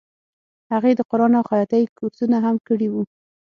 هغې د قرآن او خیاطۍ کورسونه هم کړي وو